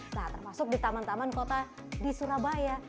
nah termasuk di taman taman kota di surabaya